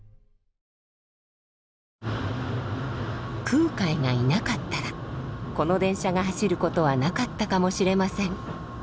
空海がいなかったらこの電車が走ることはなかったかもしれません。